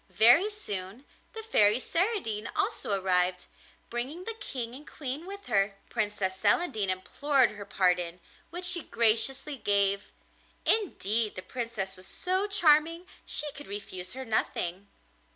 Very soon the Fairy Saradine also arrived, bringing the King and Queen with her. Princess Celandine implored her pardon, which she graciously gave; indeed the Princess was so charming she could refuse her nothing.